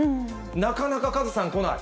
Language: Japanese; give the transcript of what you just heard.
なかなかカズさん来ない。